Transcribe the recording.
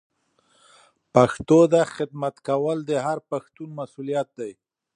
پښتو ته خدمت کول د هر پښتون مسولیت دی.